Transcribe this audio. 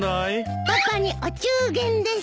パパにお中元です。